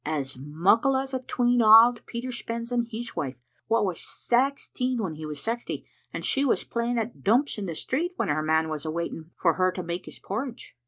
" As muckle as atween auld Peter Spens and his wife, wha was saxteen when he was saxty, and she was play ing at dumps in the street when her man was waiting for her to make his porridge.